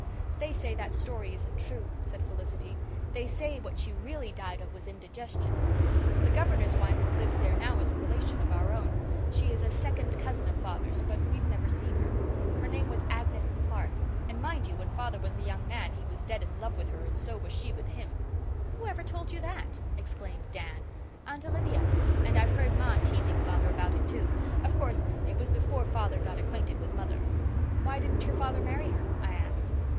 "They say that story isn't true," said Felicity. "They say what she really died of was indigestion. The Governor's wife who lives there now is a relation of our own. She is a second cousin of father's but we've never seen her. Her name was Agnes Clark. And mind you, when father was a young man he was dead in love with her and so was she with him." "Who ever told you that?" exclaimed Dan. "Aunt Olivia. And I've heard ma teasing father about it, too. Of course, it was before father got acquainted with mother." "Why didn't your father marry her?" I asked.